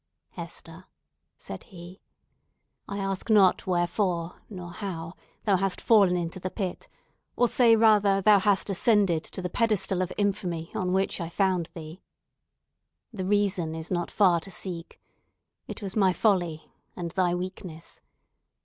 "Hester," said he, "I ask not wherefore, nor how thou hast fallen into the pit, or say, rather, thou hast ascended to the pedestal of infamy on which I found thee. The reason is not far to seek. It was my folly, and thy weakness.